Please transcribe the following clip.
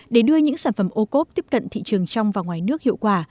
để đưa những sản phẩm ocob tiếp cận thị trường trong và ngoài nước hiệu quả